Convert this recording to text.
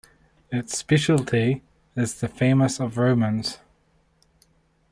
Its speciality is the famous of Romans.